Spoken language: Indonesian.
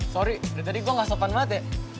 sorry dari tadi gue gak sopan banget ya